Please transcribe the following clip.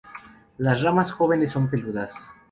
Las ramas jóvenes son peludas.